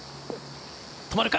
止まるか。